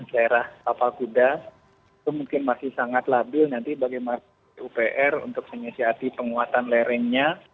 daerah papaguda itu mungkin masih sangat labil nanti bagi upr untuk menyiasati penguatan lerengnya